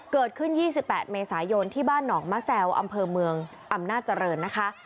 เกิดขึ้น๒๘เมษายนที่บ้านหนองมะแซวอำเภอเมืองอำนาจเจริญนะคะ